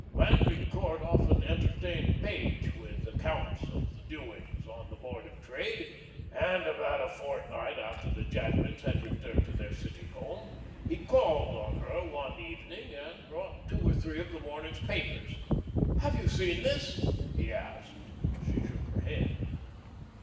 Landry Court often entertained Page with accounts of the doings on the Board of Trade, and about a fortnight after the Jadwins had returned to their city home he called on her one evening and brought two or three of the morning's papers. "Have you seen this?" he asked. She shook her head.